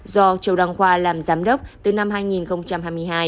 do châu đăng khoa làm giám đốc từ năm hai nghìn hai mươi hai